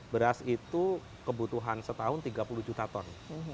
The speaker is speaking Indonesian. beras itu kebutuhan setahun tiga puluh juta ton